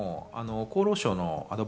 厚労省のアドバ